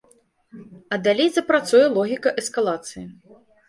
А далей запрацуе логіка эскалацыі.